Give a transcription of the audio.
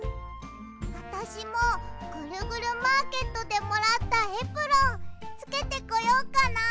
あたしもぐるぐるマーケットでもらったエプロンつけてこよっかな。